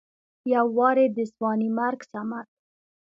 يو وارې د ځوانيمرګ صمد